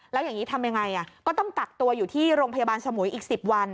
แล้วอย่างนี้ทำยังไงก็ต้องกักตัวอยู่ที่โรงพยาบาลสมุยอีก๑๐วัน